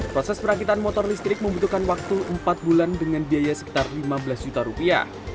proses perakitan motor listrik membutuhkan waktu empat bulan dengan biaya sekitar lima belas juta rupiah